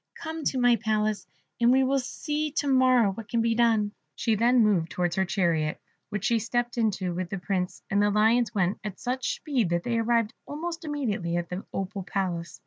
Come to my palace, and we will see to morrow what can be done." She then moved towards her chariot, which she stepped into with the Prince, and the Lions went at such speed that they arrived almost immediately at the Opal Palace.